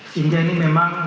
sehingga ini memang